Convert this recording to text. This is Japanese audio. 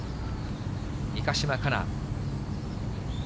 三ヶ島かな。